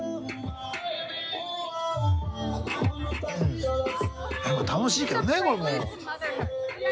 うん楽しいけどねこれも。